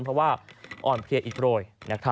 เพราะว่าอ่อนเพลียอิดโรย